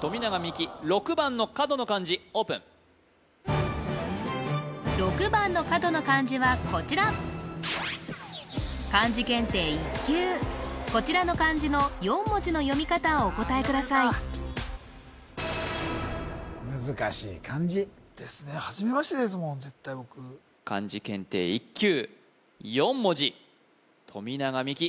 富永美樹６番の角の漢字オープン６番の角の漢字はこちらこちらの漢字の４文字の読み方をお答えくださいですねはじめましてですもん絶対僕漢字検定１級４文字富永美樹